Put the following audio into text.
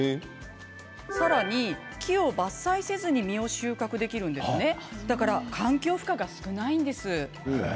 さらに木を伐採せずに実を収穫できるのでですから環境負荷が少ないんですよね。